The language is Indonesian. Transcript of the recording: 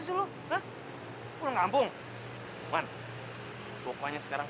sih lu pulang ampung bukannya sekarang